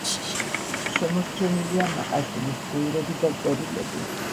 შემორჩენილია მაყაშვილის დღიურები და წერილები.